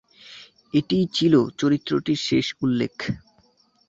এটিই ছিল চরিত্রটির শেষ উল্লেখ।